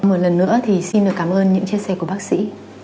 một lần nữa thì xin được cảm ơn những chia sẻ của bác sĩ